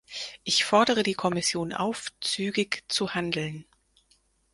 Ich fordere die Kommission auf, zügig zu handeln.